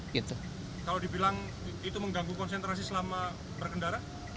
kalau dibilang itu mengganggu konsentrasi selama berkendara